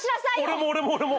俺も俺も俺も。